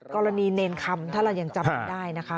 กรณีเนรคำถ้าเรายังจำกันได้นะคะ